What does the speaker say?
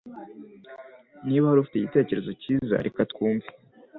Niba hari ufite igitekerezo cyiza reka twumve